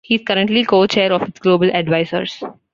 He is currently Co-Chair of its Global Advisors.